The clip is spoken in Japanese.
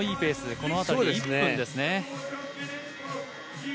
この辺りで１分ですね。